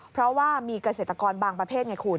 เพราะว่ามีเกษตรกรบางประเภทไงคุณ